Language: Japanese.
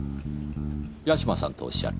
八島さんとおっしゃる？